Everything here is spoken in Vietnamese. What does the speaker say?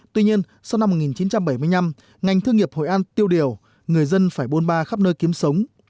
tuy nhiên sau năm một nghìn chín trăm bảy mươi năm ngành thương nghiệp hội an tiêu điều người dân phải bôn ba khắp nơi kiếm sống